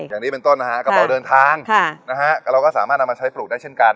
อย่างนี้เป็นต้นนะฮะกระเป๋าเดินทางนะฮะเราก็สามารถนำมาใช้ปลูกได้เช่นกัน